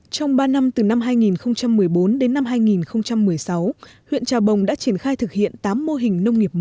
trong ba năm từ năm hai nghìn một mươi bốn đến năm hai nghìn một mươi sáu huyện trà bồng đã triển khai thực hiện tám mô hình nông nghiệp mới